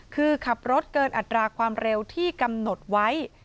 คือขับรถเกินอัตราความเร็วที่กำหนดไว้